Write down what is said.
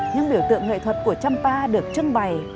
những biểu tượng nghệ thuật của champa được trưng bày